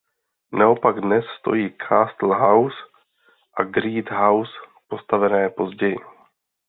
Naopak dnes stojí Castle House a Great House postavené později.